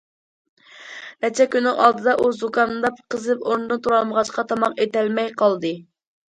نەچچە كۈننىڭ ئالدىدا ئۇ زۇكامداپ، قىزىپ ئورنىدىن تۇرالمىغاچقا، تاماق ئېتەلمەي قالدى.